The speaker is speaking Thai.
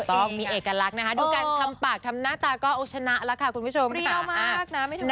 ต้องมีเอกลักษณ์นะคะดูการทำปากทำหน้าตาก็เอาชนะแล้วค่ะคุณผู้ชม